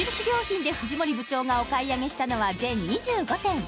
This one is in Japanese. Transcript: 良品で藤森部長がお買い上げしたのは全２５点